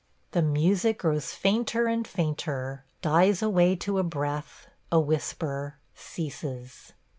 ... The music grows fainter, fainter; dies away to a breath – a whisper – ceases.